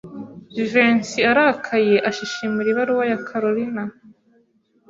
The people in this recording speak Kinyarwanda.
Jivency arakaye ashishimura ibaruwa ya Kalorina.